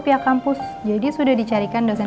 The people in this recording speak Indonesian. pihak kampus jadi sudah dicarikan dosen